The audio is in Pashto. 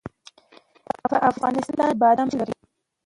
په افغانستان کې بادام شتون لري.